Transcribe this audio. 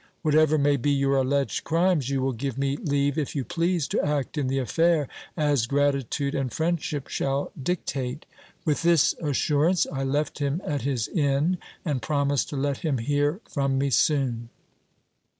Whatever may be your alleged crimes, you will give me leave, if you please, to act in the affair as gratitude and friendship shall dictate. With this assurance, I left him at his inn, and promised to let him hear from me soon.